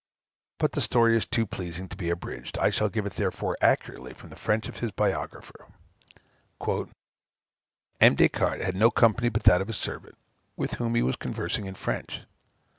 But the story is too pleasing to be abridged; I shall give it, therefore, accurately, from the French of his biographer: "M. Des Cartes had no company but that of his servant, with whom he was conversing in French.